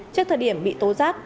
trước thời điểm bị tố giác